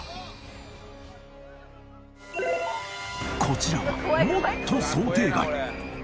こちらはもっと想定外！